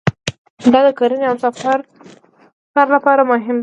دا د کرنې او سفر لپاره مهم دی.